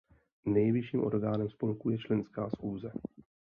Nejvyšším orgánem spolku je členská schůze.